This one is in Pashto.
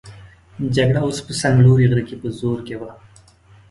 جګړه اوس په څنګلوري غره کې په زور کې وه.